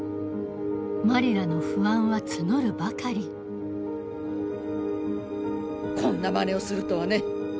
マリラの不安は募るばかりこんなまねをするとはね。